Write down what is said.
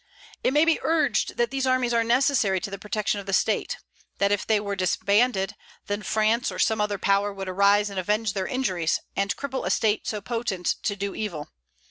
It may be urged that these armies are necessary to the protection of the state, that if they were disbanded, then France, or some other power, would arise and avenge their injuries, and cripple a state so potent to do evil.